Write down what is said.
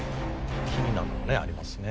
気になるのもねありますね。